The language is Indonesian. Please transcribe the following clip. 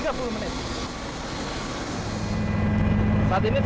saat ini sekitar